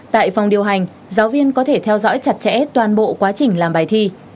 tại phòng điều hành giáo viên có thể theo dõi chặt chẽ toàn bộ quá trình làm bài thi